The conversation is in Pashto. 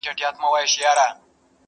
نه يوه بل ته په زور تسليمېدله،